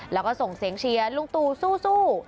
แล้วก็ส่งเสียงเชียร์ลุงตูสู้